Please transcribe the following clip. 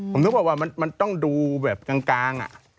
ผมนึกว่ามันต้องดูแบบกลาง